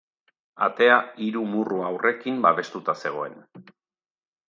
Atea hiru murru-aurrekin babestuta zegoen.